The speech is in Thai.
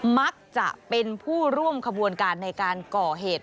มักจะเป็นผู้ร่วมขบวนการในการก่อเหตุ